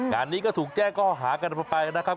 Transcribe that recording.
งานนี้ก็ถูกแจ้งข้อหากันไปนะครับ